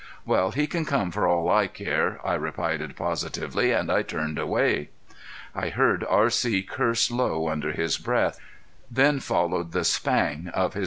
"Well, he can come for all I care," I replied, positively, and I turned away. I heard R.C. curse low under his breath. Then followed the spang of his